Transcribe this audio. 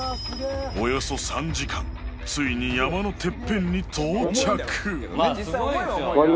およそ３時間ついに山のテッペンに到着